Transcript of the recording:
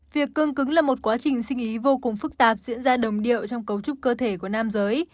việc cương cứng là một quá trình sinh ý vô cùng phức tạp diễn ra đồng điệu trong cấu trúc cơ thể của nam giới